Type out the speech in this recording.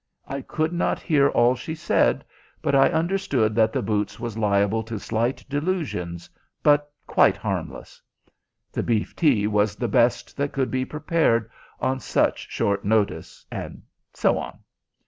I could not hear all she said, but I understood that the boots was liable to slight delusions, but quite harmless. The beef tea was the best that could be prepared on such short notice, and so on.